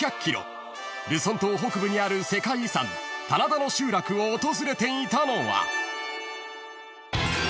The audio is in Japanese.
［ルソン島北部にある世界遺産棚田の集落を訪れていたのは］